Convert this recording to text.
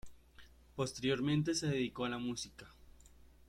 Posteriormente, se dedicó a la música.